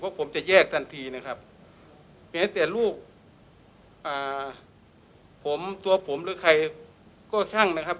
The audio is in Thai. เพราะผมจะแยกทันทีนะครับแม้แต่ลูกอ่าผมตัวผมหรือใครก็ช่างนะครับ